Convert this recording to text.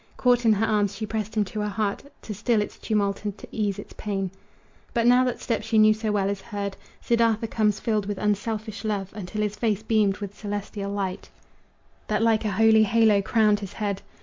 Caught in her arms she pressed him to her heart To still its tumult and to ease its pain. But now that step she knew so well is heard. Siddartha comes, filled with unselfish love Until his face beamed with celestial light That like a holy halo crowned his head.